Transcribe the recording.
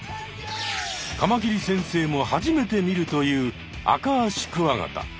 カマキリ先生も初めて見るというアカアシクワガタ。